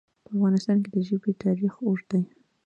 په افغانستان کې د ژبې تاریخ اوږد دی.